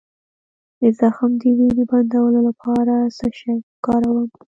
د زخم د وینې بندولو لپاره څه شی وکاروم؟